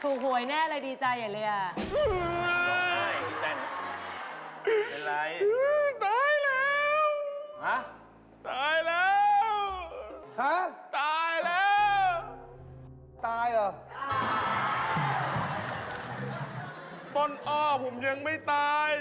ถูกหวยแน่อะไรดีใจอย่างนี้